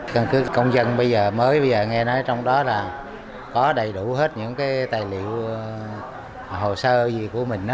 căn cước công dân bây giờ mới bây giờ nghe nói trong đó là có đầy đủ hết những cái tài liệu hồ sơ gì của mình